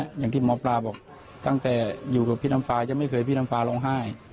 อย่างที่หมอปลาบอกตั้งแต่อยู่กับพี่น้ำฟ้าจะไม่เคยพี่น้ำฟ้าร้องไห้